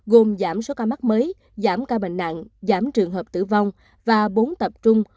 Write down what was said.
gồm giảm số ca mắc mới giảm ca bệnh nặng giảm trường hợp tử vong và bốn tập trung